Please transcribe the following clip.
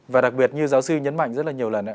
và đặc biệt như giáo sư nhấn mạnh rất là nhiều lần